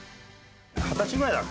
二十歳前だっけ？